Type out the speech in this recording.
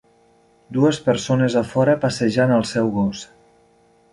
Dues persones a fora passejant el seu gos.